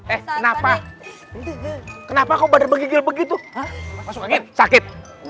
eh kenapa kenapa kau bergegel begitu sakit